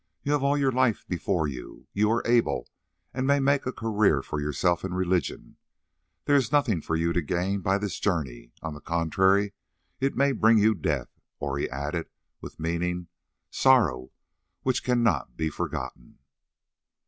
You have all your life before you; you are able, and may make a career for yourself in religion; there is nothing for you to gain by this journey; on the contrary, it may bring you death—or," he added with meaning, "sorrow which cannot be forgotten."